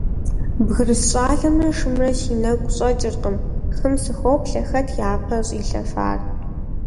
Бгырыс щӀалэмрэ шымрэ си нэгу щӀэкӀыркъым, хым сыхоплъэ: хэт япэ щӀилъэфар?